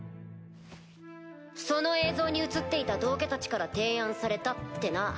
その映像に映っていた道化たちから提案されたってな。